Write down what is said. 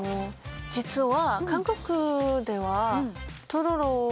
実は。